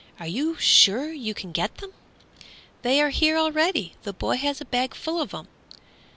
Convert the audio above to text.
are you sure you can get them?" "They are here already; the boy has a bag full of them."